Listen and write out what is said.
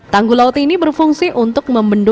tanggul laut ini berfungsi untuk menanggulkan tanah